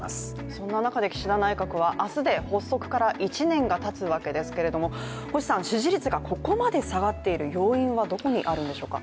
そんな中で岸田内閣は明日で発足から１年がたつわけですけれども支持率がここまで下がっている要因はどこにあるんでしょうか。